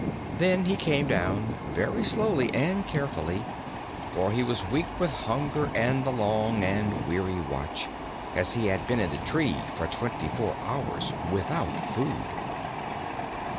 Then he came down, very slowly and carefully, for he was weak from hunger and the long and weary watch, as he had been in the tree for twenty four hours without food.